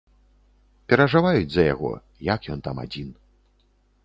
Перажываюць за яго, як ён там адзін.